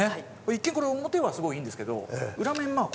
一見これ表はすごいいいんですけど裏面まあ